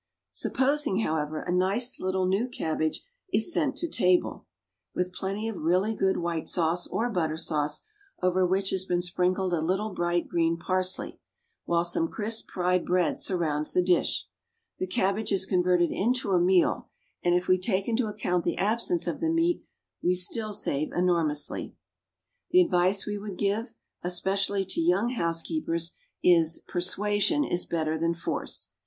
Supposing, however, a nice little new cabbage is sent to table, with plenty of really good white sauce or butter sauce, over which has been sprinkled a little bright green parsley, whilst some crisp fried bread surrounds the dish the cabbage is converted into a meal; and if we take into account the absence of the meat, we still save enormously. The advice we would give, especially to young housekeepers, is, "Persuasion is better than force."